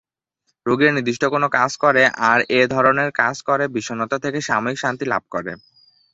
রোগীরা নির্দিষ্ট কোন কাজ করে আর এ ধরনের কাজ করে বিষণ্ণতা থেকে সাময়িক শান্তি লাভ করে।